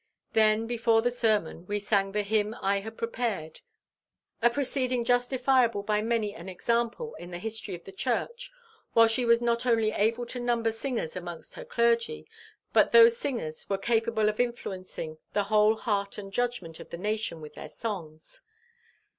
Then before the sermon we sang the hymn I had prepared a proceeding justifiable by many an example in the history of the church while she was not only able to number singers amongst her clergy, but those singers were capable of influencing the whole heart and judgment of the nation with their songs.